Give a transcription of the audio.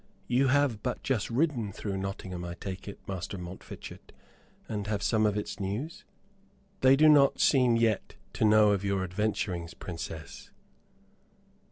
You have but just ridden through Nottingham, I take it, Master Montfichet, and have some of its news?" "They do not seem yet to know of your adventurings, Princess."